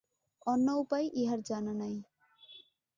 অন্য উপায় ইহার জানা নাই।